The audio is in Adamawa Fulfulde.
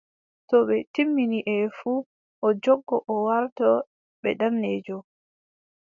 To ɓe timmini e fuu, o jogo o warto ɓe daneejo.